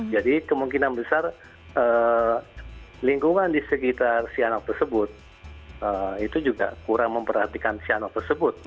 jadi kemungkinan besar lingkungan di sekitar si anak tersebut itu juga kurang memperhatikan si anak tersebut